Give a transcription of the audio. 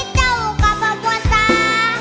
เจ้าก็บ่วนสา